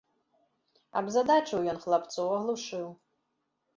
Абзадачыў ён хлапцоў, аглушыў.